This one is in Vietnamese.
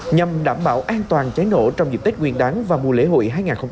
nhằm đảm bảo an toàn cháy nổ trong dịp tết nguyên đáng và mùa lễ hội hai nghìn hai mươi bốn